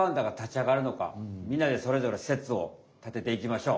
みんなでそれぞれせつを立てていきましょう！